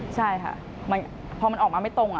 ใช่ค่ะพอมันออกมาไม่ตรง